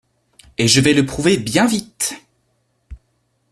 Et je vais le prouver bien vite !…